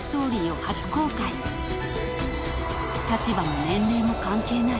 ［立場も年齢も関係ない］